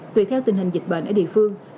tùy theo tình hình dịch bệnh ở địa phương